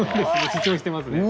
主張してますね。